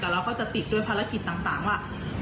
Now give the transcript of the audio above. เราก็จะติดพลักษณ์ต่างว่า